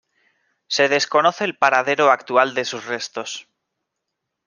Se desconoce el paradero actual de sus restos.